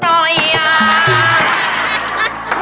ด้วยน้องไป็ีย